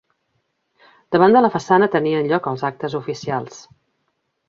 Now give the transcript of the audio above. Davant de la façana tenien lloc els actes oficials.